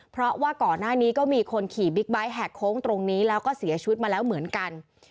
เพราะว่าก่อนหน้านี้ก็มีคนขี่บิ๊กไบท์แหกโค้งตรงนี้แล้วก็เสียชีวิตมาแล้วเหมือนกัน